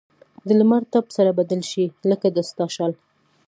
د لمر تپ سره بدل شي؛ لکه د ستا شال.